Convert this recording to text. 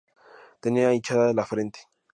Tenía hinchada la frente.